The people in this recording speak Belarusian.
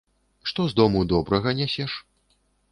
Што з дому добрага нясеш?